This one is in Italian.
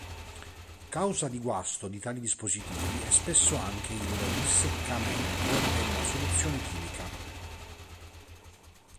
Causa di guasto di tali dispositivi è spesso anche il disseccamento della soluzione chimica.